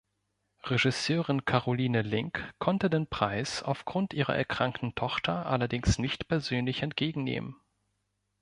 Regisseurin Caroline Link konnte den Preis aufgrund ihrer erkrankten Tochter allerdings nicht persönlich entgegennehmen.